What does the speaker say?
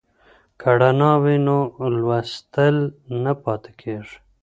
که رڼا وي نو لوستل نه پاتې کیږي.